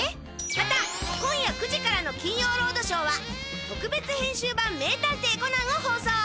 また今夜９時からの『金曜ロードショー』は特別編集版『名探偵コナン』を放送。